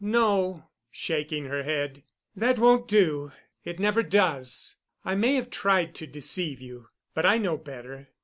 "No," shaking her head, "that won't do. It never does. I may have tried to deceive you, but I know better.